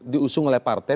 diusung oleh partai